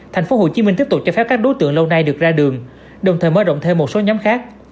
tp hcm tiếp tục cho phép các đối tượng lâu nay được ra đường đồng thời mở rộng thêm một số nhóm khác